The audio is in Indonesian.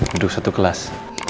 duduk satu kelas